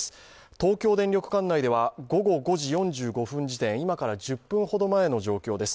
東京電力館内では午後５時５０分現在今から１０分ほど前の状況です。